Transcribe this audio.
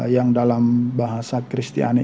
yang dalam bahasa kristiani